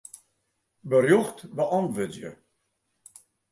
Berjocht beäntwurdzje.